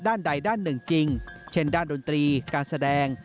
ด้านใดด้านหนึ่งจริงเช่นด้านดนตรีการแสดง